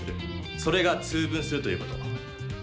それが「通分」するということ。